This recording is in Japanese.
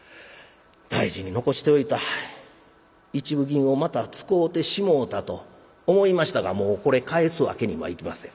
大事に残しておいた一分銀をまた使うてしもうたと思いましたがもうこれ返すわけにはいきません。